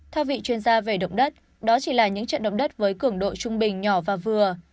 theo vị chuyên gia về động đất đó chỉ là những trận động đất với cường độ trung bình nhỏ và vừa